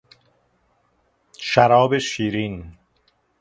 شراب شیرین